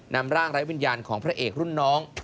นำร่างไร้วิญญาณของพระเอกรุ่นน้อง